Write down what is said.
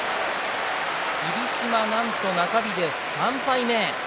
霧島、なんと中日で３敗目。